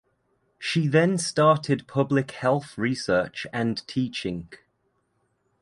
She then started public health research and teaching.